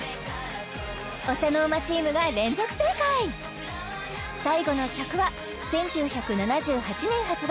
ＯＣＨＡＮＯＲＭＡチームが連続正解最後の曲は１９７８年発売